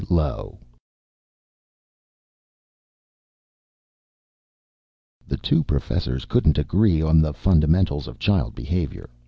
Lowe_ The two professors couldn't agree on the fundamentals of child behavior.